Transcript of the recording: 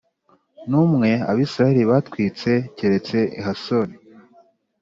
n umwe Abisirayeli batwitse keretse i Hasori